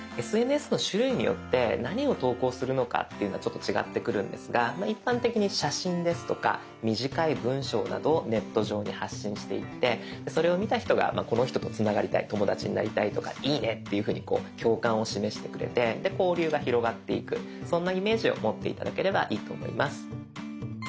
ＳＮＳの種類によって何を投稿するのかというのは違ってくるんですが一般的に写真ですとか短い文章などをネット上に発信していってそれを見た人がこの人とつながりたい友だちになりたいとかいいねっていうふうに共感を示してくれて交流が広がっていくそんなイメージを持って頂ければいいと思います。